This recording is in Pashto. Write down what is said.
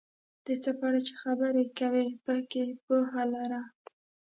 د څه په اړه چې خبرې کوې پکې پوهه لرل،